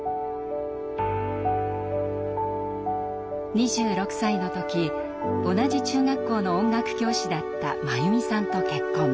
２６歳の時同じ中学校の音楽教師だった真弓さんと結婚。